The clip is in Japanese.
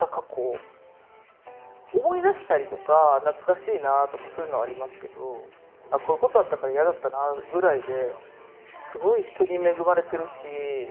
思い出したりとか「懐かしいなあ」とかそういうのはありますけど「こういうことあったから嫌だったなあ」ぐらいで。